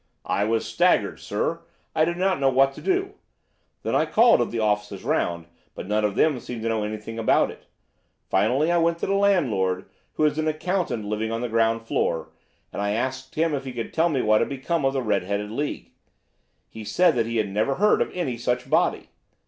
"I was staggered, sir. I did not know what to do. Then I called at the offices round, but none of them seemed to know anything about it. Finally, I went to the landlord, who is an accountant living on the ground floor, and I asked him if he could tell me what had become of the Red headed League. He said that he had never heard of any such body.